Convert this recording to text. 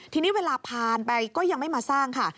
ทีนี้เวลาผ่านไปก็ยังไม่มาสร้างค่ะ